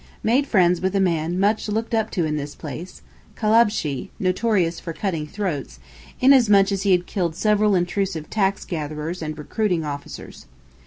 Made friends with a man much looked up to in his place (Kalabshee—notorious for cutting throats), inasmuch as he had killed several intrusive tax gatherers and recruiting officers.